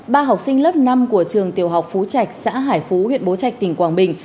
ba học sinh lớp năm của trường tiểu học phú trạch xã hải phú huyện bố trạch tỉnh quảng bình